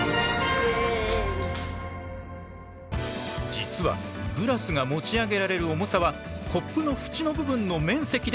実はグラスが持ち上げられる重さはコップの縁の部分の面積で決まる。